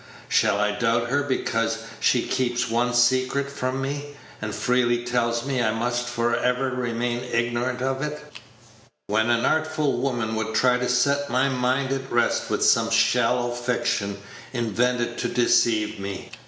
Shall I doubt her because she keeps one secret from me, and freely tells me I must for ever remain ignorant of it, when an artful woman would try to set my mind at rest with some shallow fiction invented to deceive me?